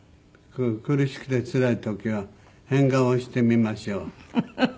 「苦しくてつらい時は変顔をしてみましょう」フフ。